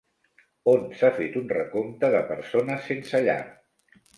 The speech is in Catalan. On s'ha fet un recompte de persones sense llar?